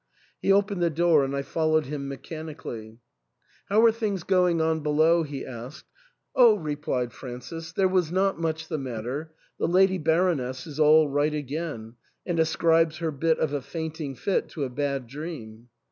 He opened the door, and I followed him mechanically. " How are things going on below ?" he asked. " Oh !" replied Francis ;" there was not much the matter. The Lady Baroness is all right again, and ascribes her bit of a fainting fit to a bad dream."